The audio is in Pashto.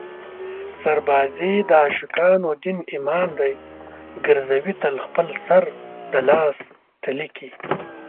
سربازي د عاشقانو دین ایمان دی ګرزوي تل خپل سر د لاس تلي کې